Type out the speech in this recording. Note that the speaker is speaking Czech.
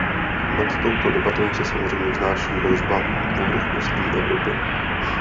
Nad touto debatou se samozřejmě vznáší hrozba dvourychlostní Evropy.